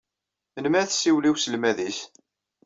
Melmi ad tsiwel i uselmad-is?